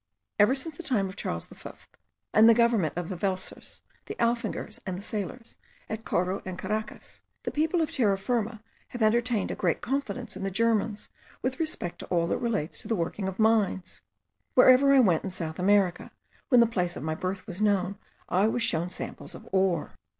Ever since the time of Charles V and the government of the Welsers, the Alfingers, and the Sailers, at Coro and Caracas, the people of Terra Firma have entertained a great confidence in the Germans with respect to all that relates to the working of mines. Wherever I went in South America, when the place of my birth was known, I was shown samples of ore.